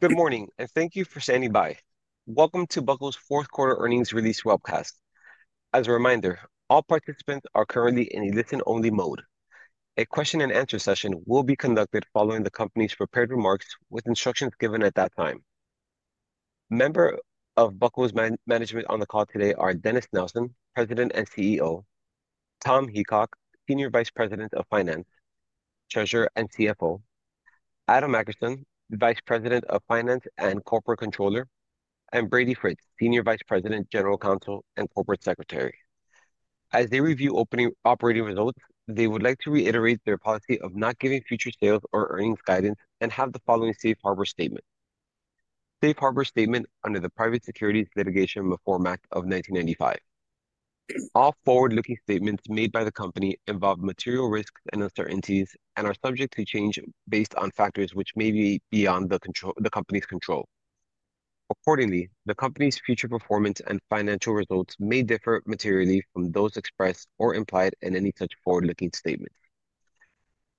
Good morning, and thank you for standing by. Welcome to Buckle's fourth quarter earnings release webcast. As a reminder, all participants are currently in a listen-only mode. A question-and-answer session will be conducted following the company's prepared remarks, with instructions given at that time. Members of Buckle's management on the call today are Dennis Nelson, President and CEO; Tom Heacock, Senior Vice President of Finance, Treasurer and CFO; Adam Akerson, Vice President of Finance and Corporate Controller; and Brady Fritz, Senior Vice President, General Counsel, and Corporate Secretary. As they review operating results, they would like to reiterate their policy of not giving future sales or earnings guidance and have the following safe harbor statement. Safe harbor statement under the Private Securities Litigation Reform Act of 1995. All forward-looking statements made by the company involve material risks and uncertainties and are subject to change based on factors which may be beyond the company's control. Accordingly, the company's future performance and financial results may differ materially from those expressed or implied in any such forward-looking statements.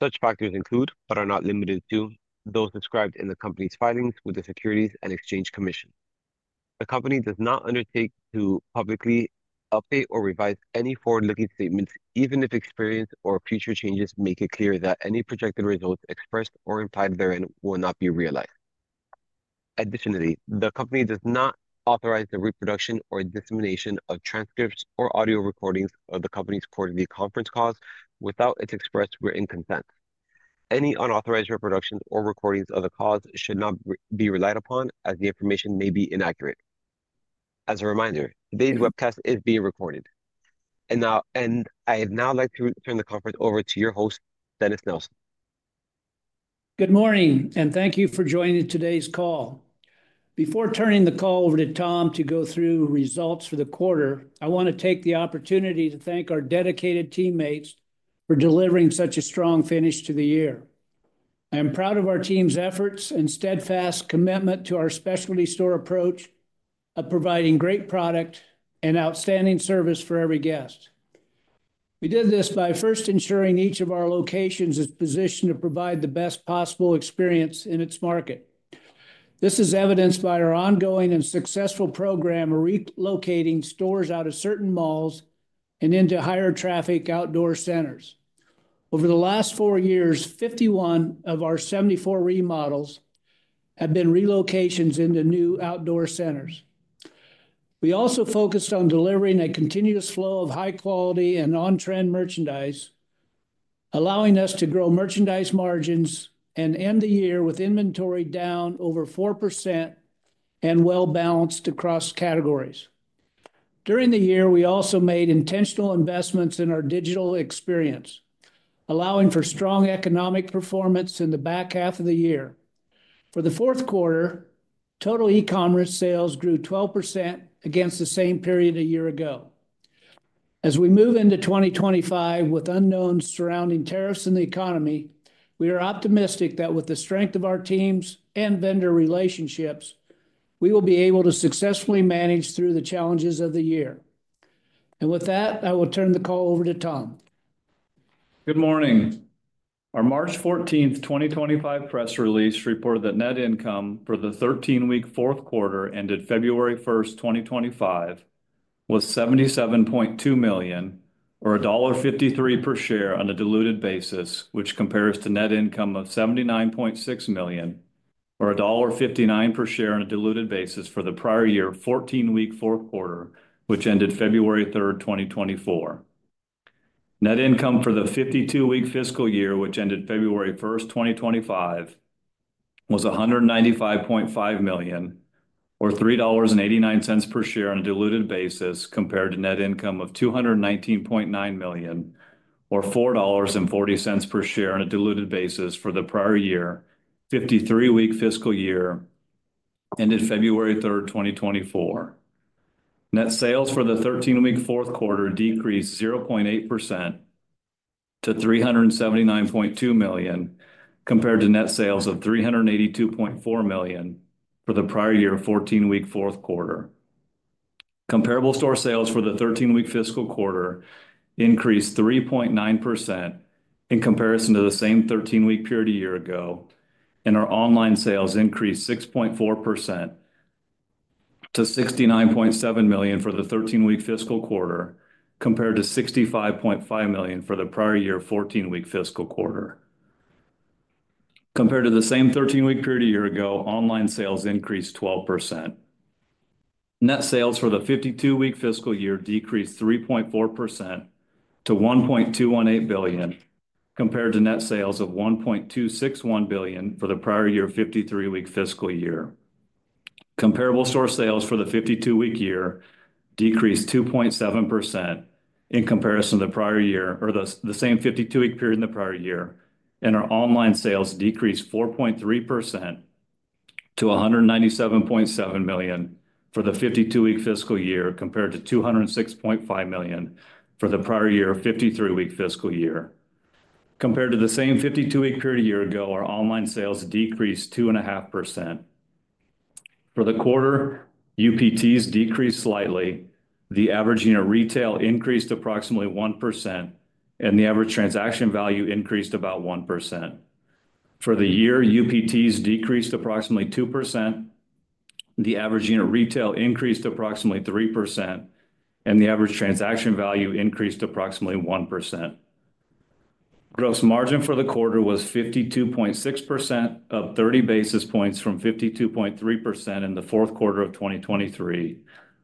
Such factors include, but are not limited to, those described in the company's filings with the Securities and Exchange Commission. The company does not undertake to publicly update or revise any forward-looking statements, even if experience or future changes make it clear that any projected results expressed or implied therein will not be realized. Additionally, the company does not authorize the reproduction or dissemination of transcripts or audio recordings of the company's quarterly conference calls without its express written consent. Any unauthorized reproductions or recordings of the calls should not be relied upon, as the information may be inaccurate. As a reminder, today's webcast is being recorded. I would now like to turn the conference over to your host, Dennis Nelson. Good morning, and thank you for joining today's call. Before turning the call over to Tom to go through results for the quarter, I want to take the opportunity to thank our dedicated teammates for delivering such a strong finish to the year. I am proud of our team's efforts and steadfast commitment to our specialty store approach of providing great product and outstanding service for every guest. We did this by first ensuring each of our locations is positioned to provide the best possible experience in its market. This is evidenced by our ongoing and successful program of relocating stores out of certain malls and into higher traffic outdoor centers. Over the last four years, 51 of our 74 remodels have been relocations into new outdoor centers. We also focused on delivering a continuous flow of high-quality and on-trend merchandise, allowing us to grow merchandise margins and end the year with inventory down over 4% and well-balanced across categories. During the year, we also made intentional investments in our digital experience, allowing for strong economic performance in the back half of the year. For the fourth quarter, total e-commerce sales grew 12% against the same period a year ago. As we move into 2025 with unknown surrounding tariffs in the economy, we are optimistic that with the strength of our teams and vendor relationships, we will be able to successfully manage through the challenges of the year. With that, I will turn the call over to Tom. Good morning. Our March 14, 2025 press release reported that net income for the 13-week fourth quarter ended February 1, 2025, was $77.2 million, or $1.53 per share on a diluted basis, which compares to net income of $79.6 million, or $1.59 per share on a diluted basis for the prior year 14-week fourth quarter, which ended February 3, 2024. Net income for the 52-week fiscal year, which ended February 1, 2025, was $195.5 million, or $3.89 per share on a diluted basis, compared to net income of $219.9 million, or $4.40 per share on a diluted basis for the prior year 53-week fiscal year ended February 3, 2024. Net sales for the 13-week fourth quarter decreased 0.8% to $379.2 million, compared to net sales of $382.4 million for the prior year 14-week fourth quarter. Comparable store sales for the 13-week fiscal quarter increased 3.9% in comparison to the same 13-week period a year ago, and our online sales increased 6.4% to $69.7 million for the 13-week fiscal quarter, compared to $65.5 million for the prior year 14-week fiscal quarter. Compared to the same 13-week period a year ago, online sales increased 12%. Net sales for the 52-week fiscal year decreased 3.4% to $1.218 billion, compared to net sales of $1.261 billion for the prior year 53-week fiscal year. Comparable store sales for the 52-week year decreased 2.7% in comparison to the prior year or the same 52-week period in the prior year, and our online sales decreased 4.3% to $197.7 million for the 52-week fiscal year, compared to $206.5 million for the prior year 53-week fiscal year. Compared to the same 52-week period a year ago, our online sales decreased 2.5%. For the quarter, UPTs decreased slightly. The average unit retail increased approximately 1%, and the average transaction value increased about 1%. For the year, UPTs decreased approximately 2%. The average unit retail increased approximately 3%, and the average transaction value increased approximately 1%. Gross margin for the quarter was 52.6%, up 30 basis points from 52.3% in the fourth quarter of 2023,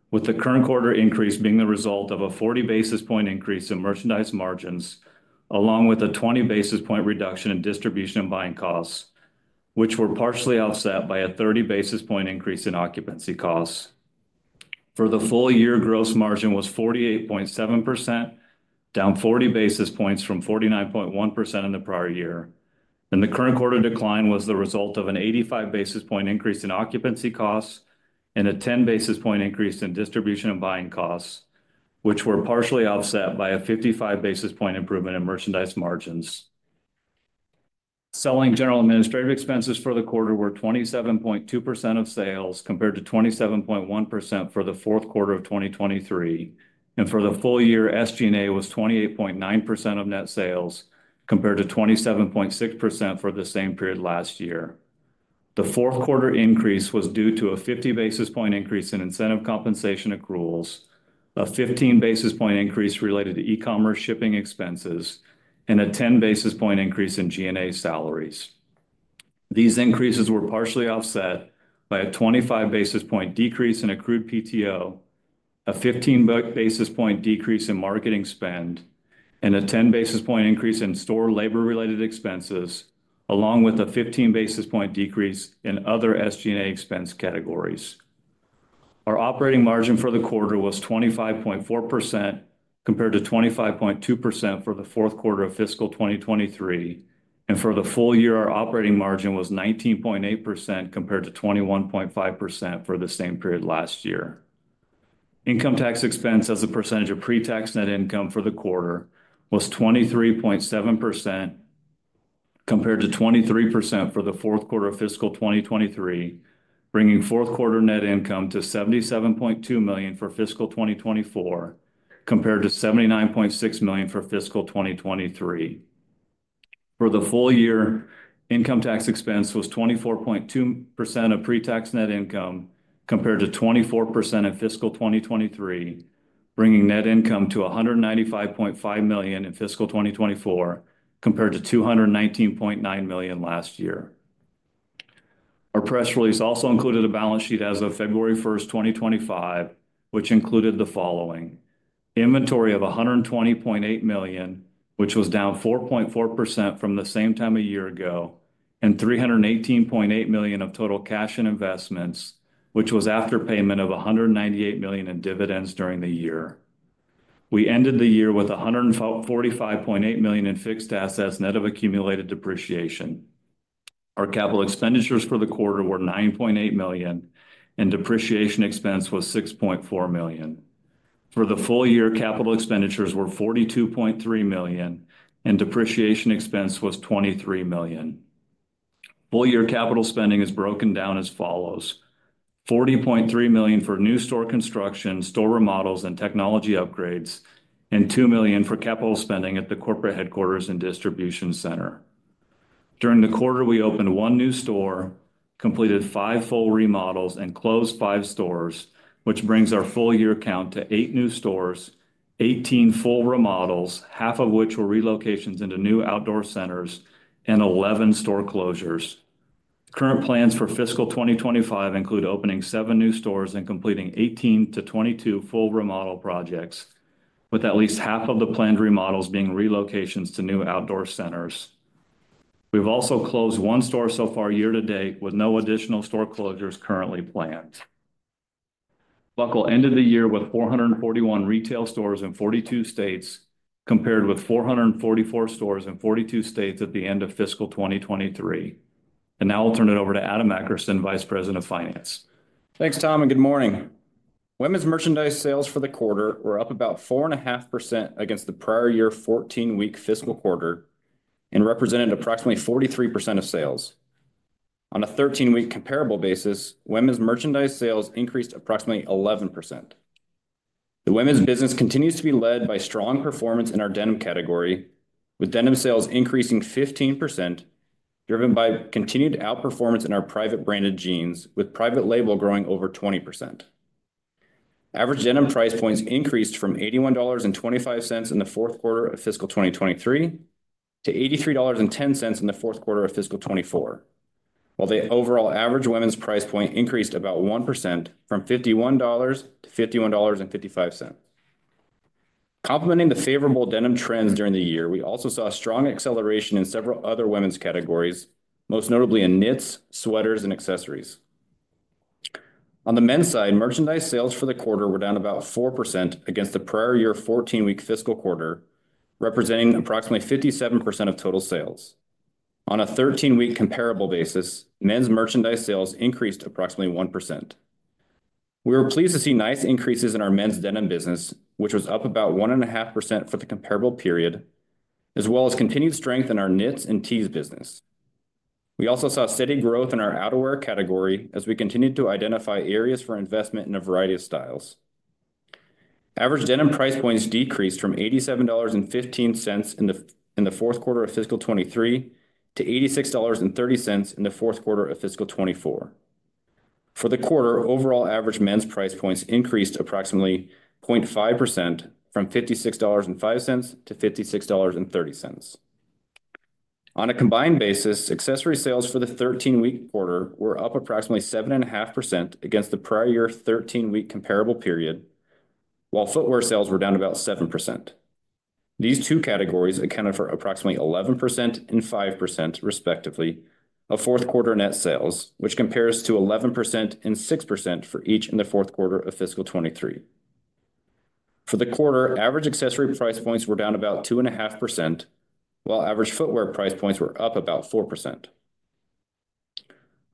with the current quarter increase being the result of a 40 basis point increase in merchandise margins, along with a 20 basis point reduction in distribution and buying costs, which were partially offset by a 30 basis point increase in occupancy costs. For the full year, gross margin was 48.7%, down 40 basis points from 49.1% in the prior year. The current quarter decline was the result of an 85 basis point increase in occupancy costs and a 10 basis point increase in distribution and buying costs, which were partially offset by a 55 basis point improvement in merchandise margins. Selling general administrative expenses for the quarter were 27.2% of sales, compared to 27.1% for the fourth quarter of 2023. For the full year, SG&A was 28.9% of net sales, compared to 27.6% for the same period last year. The fourth quarter increase was due to a 50 basis point increase in incentive compensation accruals, a 15 basis point increase related to e-commerce shipping expenses, and a 10 basis point increase in G&A salaries. These increases were partially offset by a 25 basis point decrease in accrued PTO, a 15 basis point decrease in marketing spend, and a 10 basis point increase in store labor-related expenses, along with a 15 basis point decrease in other SG&A expense categories. Our operating margin for the quarter was 25.4%, compared to 25.2% for the fourth quarter of fiscal 2023. For the full year, our operating margin was 19.8%, compared to 21.5% for the same period last year. Income tax expense as a percentage of pre-tax net income for the quarter was 23.7%, compared to 23% for the fourth quarter of fiscal 2023, bringing fourth quarter net income to $77.2 million for fiscal 2024, compared to $79.6 million for fiscal 2023. For the full year, income tax expense was 24.2% of pre-tax net income, compared to 24% in fiscal 2023, bringing net income to $195.5 million in fiscal 2024, compared to $219.9 million last year. Our press release also included a balance sheet as of February 1, 2025, which included the following: inventory of $120.8 million, which was down 4.4% from the same time a year ago, and $318.8 million of total cash and investments, which was after payment of $198 million in dividends during the year. We ended the year with $145.8 million in fixed assets net of accumulated depreciation. Our capital expenditures for the quarter were $9.8 million, and depreciation expense was $6.4 million. For the full year, capital expenditures were $42.3 million, and depreciation expense was $23 million. Full year capital spending is broken down as follows: $40.3 million for new store construction, store remodels, and technology upgrades, and $2 million for capital spending at the corporate headquarters and distribution center. During the quarter, we opened one new store, completed five full remodels, and closed five stores, which brings our full year count to eight new stores, 18 full remodels, half of which were relocations into new outdoor centers, and 11 store closures. Current plans for fiscal 2025 include opening seven new stores and completing 18-22 full remodel projects, with at least half of the planned remodels being relocations to new outdoor centers. We've also closed one store so far year to date, with no additional store closures currently planned. Buckle ended the year with 441 retail stores in 42 states, compared with 444 stores in 42 states at the end of fiscal 2023. I will now turn it over to Adam Akerson, Vice President of Finance. Thanks, Tom, and good morning. Women's merchandise sales for the quarter were up about 4.5% against the prior year 14-week fiscal quarter and represented approximately 43% of sales. On a 13-week comparable basis, women's merchandise sales increased approximately 11%. The women's business continues to be led by strong performance in our denim category, with denim sales increasing 15%, driven by continued outperformance in our private branded jeans, with private label growing over 20%. Average denim price points increased from $81.25 in the fourth quarter of fiscal 2023 to $83.10 in the fourth quarter of fiscal 2024, while the overall average women's price point increased about 1% from $51.00 to $51.55. Complementing the favorable denim trends during the year, we also saw a strong acceleration in several other women's categories, most notably in knits, sweaters, and accessories. On the men's side, merchandise sales for the quarter were down about 4% against the prior year 14-week fiscal quarter, representing approximately 57% of total sales. On a 13-week comparable basis, men's merchandise sales increased approximately 1%. We were pleased to see nice increases in our men's denim business, which was up about 1.5% for the comparable period, as well as continued strength in our knits and tees business. We also saw steady growth in our outerwear category as we continued to identify areas for investment in a variety of styles. Average denim price points decreased from $87.15 in the fourth quarter of fiscal 2023 to $86.30 in the fourth quarter of fiscal 2024. For the quarter, overall average men's price points increased approximately 0.5% from $56.05 to $56.30. On a combined basis, accessory sales for the 13-week quarter were up approximately 7.5% against the prior year 13-week comparable period, while footwear sales were down about 7%. These two categories accounted for approximately 11% and 5%, respectively, of fourth quarter net sales, which compares to 11% and 6% for each in the fourth quarter of fiscal 2023. For the quarter, average accessory price points were down about 2.5%, while average footwear price points were up about 4%.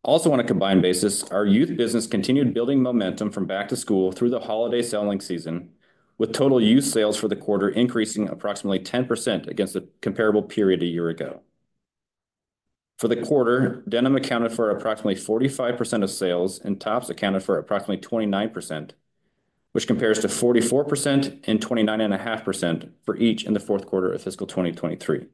Also, on a combined basis, our youth business continued building momentum from back to school through the holiday selling season, with total youth sales for the quarter increasing approximately 10% against the comparable period a year ago. For the quarter, denim accounted for approximately 45% of sales, and tops accounted for approximately 29%, which compares to 44% and 29.5% for each in the fourth quarter of fiscal 2023.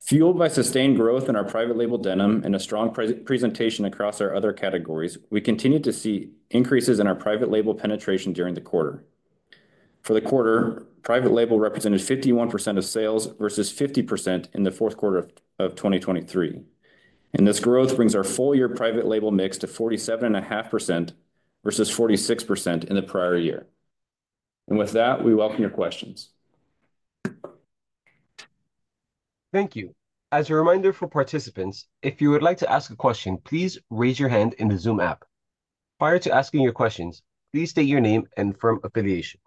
Fueled by sustained growth in our private label denim and a strong presentation across our other categories, we continued to see increases in our private label penetration during the quarter. For the quarter, private label represented 51% of sales versus 50% in the fourth quarter of 2023. This growth brings our full year private label mix to 47.5% versus 46% in the prior year. With that, we welcome your questions. Thank you. As a reminder for participants, if you would like to ask a question, please raise your hand in the Zoom app. Prior to asking your questions, please state your name and firm affiliation.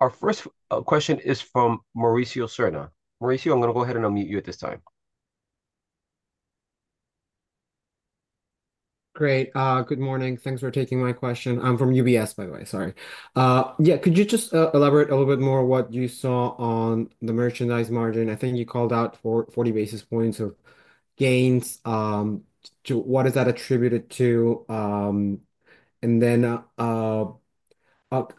Our first question is from Mauricio Serna. Mauricio, I'm going to go ahead and unmute you at this time. Great. Good morning. Thanks for taking my question. I'm from UBS, by the way. Sorry. Yeah. Could you just elaborate a little bit more on what you saw on the merchandise margin? I think you called out 40 basis points of gains. What is that attributed to?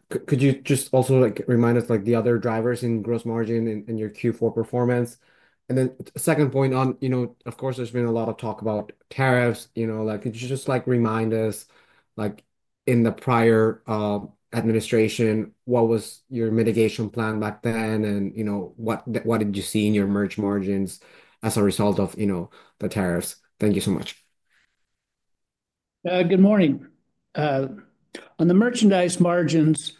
Could you just also remind us of the other drivers in gross margin and your Q4 performance? A second point, of course, there's been a lot of talk about tariffs. Could you just remind us, in the prior administration, what was your mitigation plan back then? What did you see in your merch margins as a result of the tariffs? Thank you so much. Good morning. On the merchandise margins,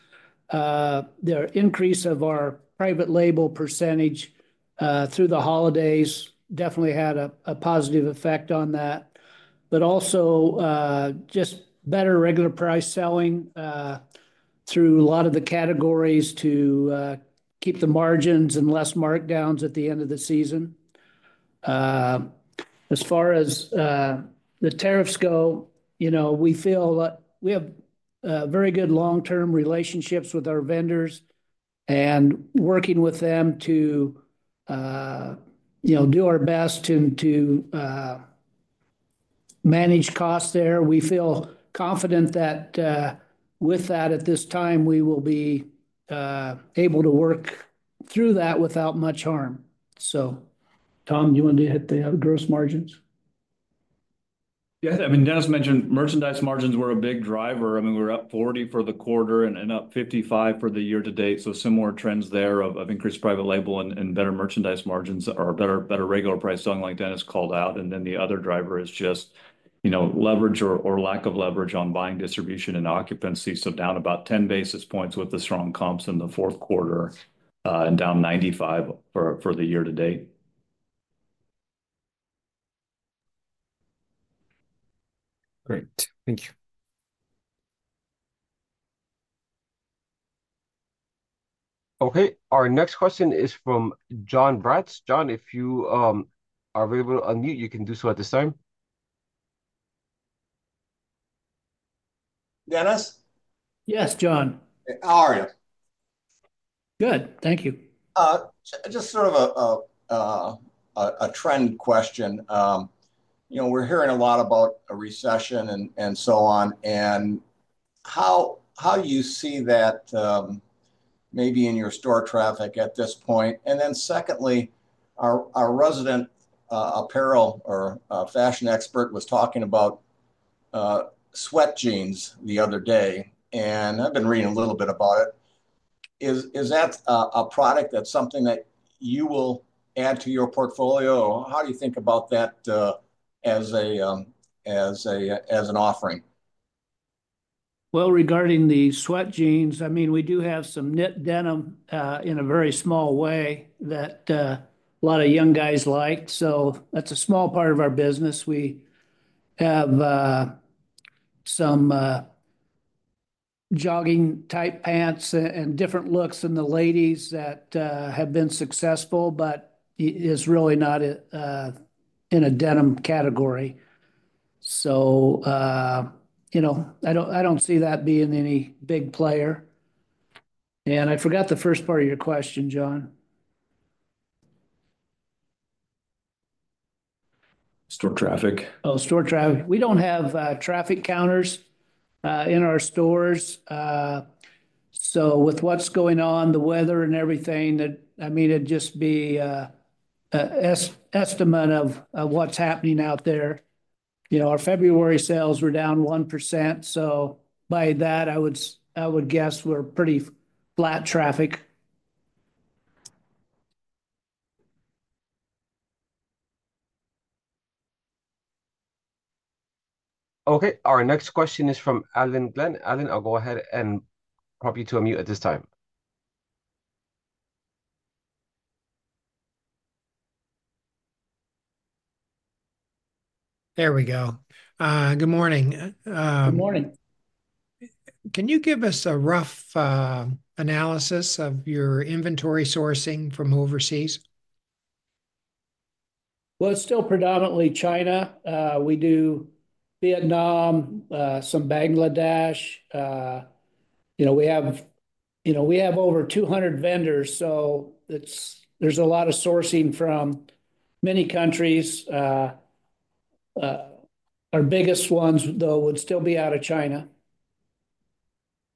the increase of our private label percentage through the holidays definitely had a positive effect on that, but also just better regular price selling through a lot of the categories to keep the margins and less markdowns at the end of the season. As far as the tariffs go, we feel we have very good long-term relationships with our vendors and working with them to do our best to manage costs there. We feel confident that with that, at this time, we will be able to work through that without much harm. Tom, do you want to hit the gross margins? Yeah. I mean, Dennis mentioned merchandise margins were a big driver. I mean, we're up 40 basis points for the quarter and up 55 basis points for the year to date. Similar trends there of increased private label and better merchandise margins or better regular price selling like Dennis called out. The other driver is just leverage or lack of leverage on buying, distribution, and occupancy. Down about 10 basis points with the strong comps in the fourth quarter and down 95 basis points for the year to date. Great. Thank you. Okay. Our next question is from Jon Braatz. Jon, if you are available to unmute, you can do so at this time. Dennis? Yes, Jon. How are you? Good. Thank you. Just sort of a trend question. We're hearing a lot about a recession and so on, and how you see that maybe in your store traffic at this point. Secondly, our resident apparel or fashion expert was talking about sweat jeans the other day. I've been reading a little bit about it. Is that a product? Is that something that you will add to your portfolio? How do you think about that as an offering? Regarding the sweat jeans, I mean, we do have some knit denim in a very small way that a lot of young guys like. That is a small part of our business. We have some jogging-type pants and different looks in the ladies that have been successful, but it is really not in a denim category. I do not see that being any big player. I forgot the first part of your question, Jon. Store traffic. Oh, store traffic. We don't have traffic counters in our stores. With what's going on, the weather and everything, I mean, it'd just be an estimate of what's happening out there. Our February sales were down 1%. By that, I would guess we're pretty flat traffic. Okay. Our next question is from Alvin Glenn. Alvin, I'll go ahead and prompt you to unmute at this time. There we go. Good morning. Good morning. Can you give us a rough analysis of your inventory sourcing from overseas? It's still predominantly China. We do Vietnam, some Bangladesh. We have over 200 vendors, so there's a lot of sourcing from many countries. Our biggest ones, though, would still be out of China.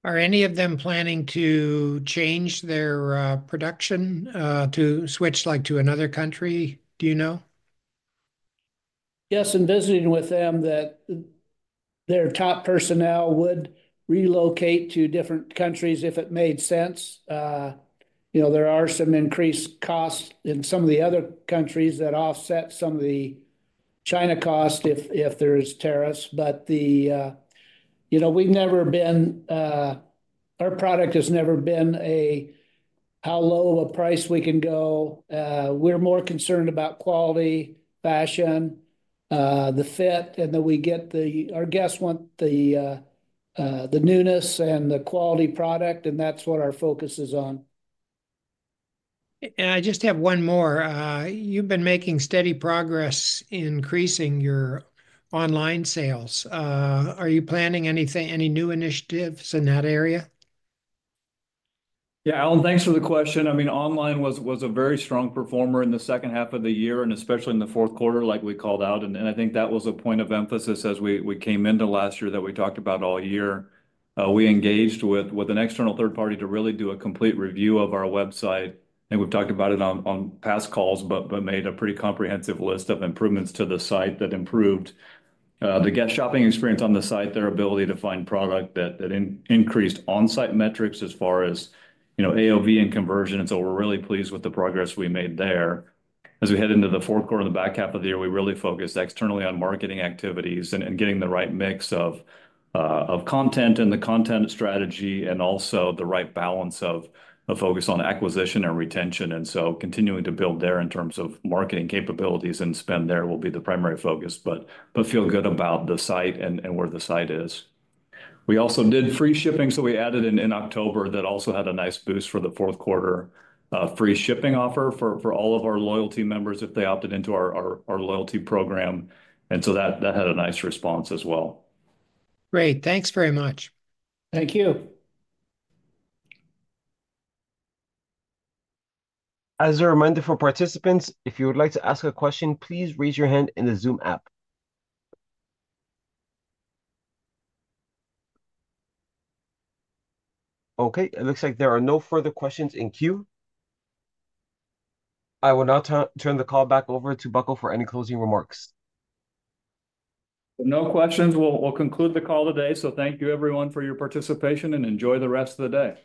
Are any of them planning to change their production to switch to another country? Do you know? Yes. Visiting with them, their top personnel would relocate to different countries if it made sense. There are some increased costs in some of the other countries that offset some of the China cost if there's tariffs. We've never been, our product has never been how low of a price we can go. We're more concerned about quality, fashion, the fit, and that we get the, our guests want the newness and the quality product, and that's what our focus is on. I just have one more. You've been making steady progress in increasing your online sales. Are you planning any new initiatives in that area? Yeah. Alvin, thanks for the question. I mean, online was a very strong performer in the second half of the year, and especially in the fourth quarter, like we called out. I think that was a point of emphasis as we came into last year that we talked about all year. We engaged with an external third party to really do a complete review of our website. I think we've talked about it on past calls, but made a pretty comprehensive list of improvements to the site that improved the guest shopping experience on the site, their ability to find product that increased onsite metrics as far as AOV and conversion. We are really pleased with the progress we made there. As we head into the fourth quarter and the back half of the year, we really focused externally on marketing activities and getting the right mix of content and the content strategy and also the right balance of focus on acquisition and retention. Continuing to build there in terms of marketing capabilities and spend there will be the primary focus, but feel good about the site and where the site is. We also did free shipping, so we added in October that also had a nice boost for the fourth quarter free shipping offer for all of our loyalty members if they opted into our loyalty program. That had a nice response as well. Great. Thanks very much. Thank you. As a reminder for participants, if you would like to ask a question, please raise your hand in the Zoom app. Okay. It looks like there are no further questions in queue. I will now turn the call back over to Buckle for any closing remarks. No questions. We'll conclude the call today. Thank you, everyone, for your participation, and enjoy the rest of the day.